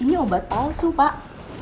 ini obat palsu pak